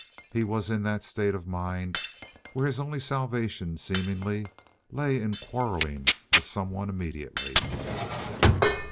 He was in that state of mind where his only salvation, seemingly, lay in quarreling with some one immediately.